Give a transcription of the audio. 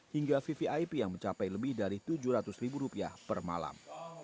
hingga vvip yang mencapai lebih dari tujuh ratus ribu rupiah per malam